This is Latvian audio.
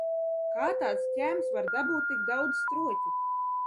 Kā tāds ķēms var dabūt tik daudz stroķu?